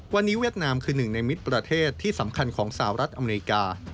วันนี้เวียดนามคือหนึ่งในมิตรประเทศที่สำคัญของสหรัฐอเมริกา